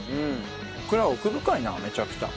オクラ奥深いなめちゃくちゃ。